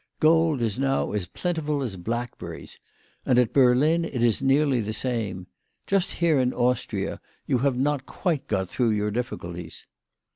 Gold is now as plentiful as blackberries. And at Berlin it is nearly the same. Just here in Austria, you have not quite got through your difficulties."